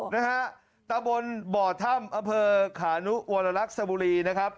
นะฮะตะบนบ่อถ้ำอเภอขานุวรรลักษบุรีนะครับ